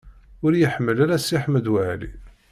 Ur iyi-ḥemmel ara Si Ḥmed Waɛli.